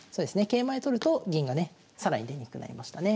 桂馬で取ると銀がね更に出にくくなりましたね。